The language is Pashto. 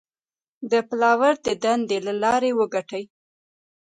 د پلور د دندې له لارې وګټئ.